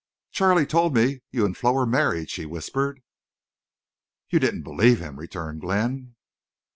"Charley told me—you and Flo—were married," she whispered. "You didn't believe him!" returned Glenn.